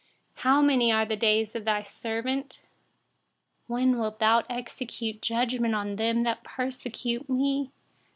84How many are the days of your servant? When will you execute judgment on those who persecute me?